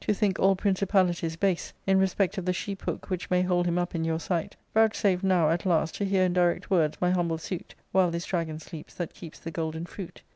|66 , ARCApiA\' Bodk lU all principalities base, in respect of the sheephook whicK may hold him up in your sight, vouchsafe now, at last, to hear in direct words my humble suit, while this dragon sleeps that keeps the golden fruit.